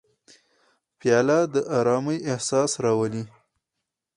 پیاله د ارامۍ احساس راولي.